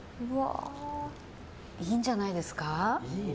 いいんじゃないですか。